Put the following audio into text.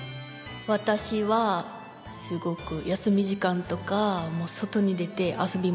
わたしはすごく休み時間とかもう外に出て遊び回ってました。